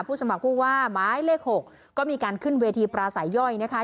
สมัครผู้ว่าหมายเลข๖ก็มีการขึ้นเวทีปราศัยย่อยนะคะ